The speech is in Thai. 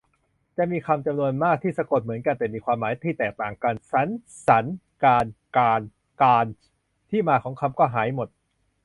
จะมีคำจำนวนมากที่สะกดเหมือนกันแต่มีความหมายที่แตกต่างกัน สรร สัน การ กาน กาญจน์ ที่มาของคำก็หายหมด